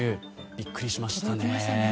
びっくりしましたね。